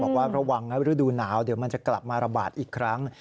บอกว่าระวังนะฤดูหนาวเดี๋ยวมันจะกลับมาระบาดอีกครั้ง